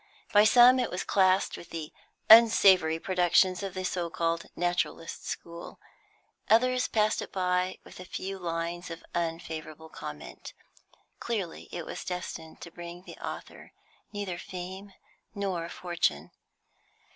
By some it was classed with the "unsavoury productions of the so called naturalist school;" others passed it by with a few lines of unfavourable comment. Clearly it was destined to bring the author neither fame nor fortune.